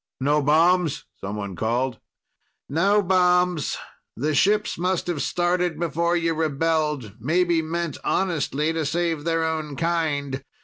"No bombs?" someone called. "No bombs. The ships must have started before you rebelled, maybe meant honestly to save their own kind.